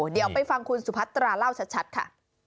เดี๋ยวไปฟังคุณสุพัตราเล่าชัดค่ะ